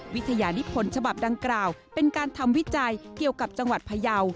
วิทยานิพลฉบับดังกล่าวเป็นการทำวิจัยเกี่ยวกับจังหวัดพยาว